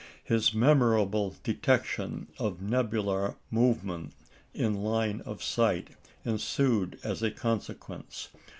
His memorable detection of nebular movement in line of sight ensued as a consequence.